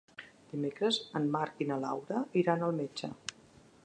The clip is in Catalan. Dimecres en Marc i na Laura iran al metge.